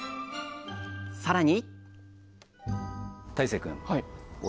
さらに！